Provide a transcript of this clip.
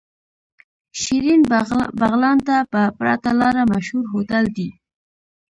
شيرين بغلان ته په پرته لاره مشهور هوټل دی.